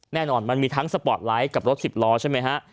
มันมีทั้งสปอร์ตไลท์กับรถสิบล้อใช่ไหมฮะ